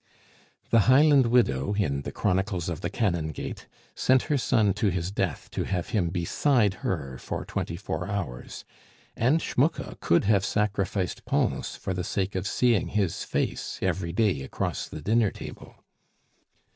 The Highland widow, in The Chronicles of the Canongate, sent her son to his death to have him beside her for twenty four hours; and Schmucke could have sacrificed Pons for the sake of seeing his face every day across the dinner table.